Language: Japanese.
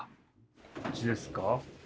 こっちですか？